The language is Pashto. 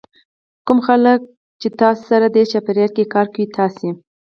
کوم خلک کوم چې تاسې سره دې چاپېریال کې کار کوي تاسې